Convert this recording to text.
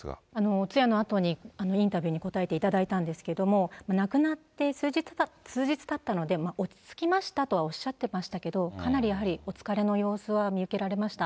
お通夜のあとにインタビューに答えていただいたんですけれども、亡くなって数日たったので、落ち着きましたとはおっしゃってましたけど、かなりやはりお疲れの様子は見受けられました。